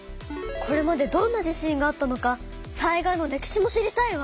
これまでどんな地震があったのか災害の歴史も知りたいわ！